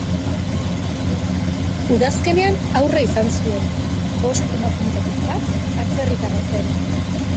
Udazkenean haurra izan zuen bost emakumetik bat atzerritarra zen.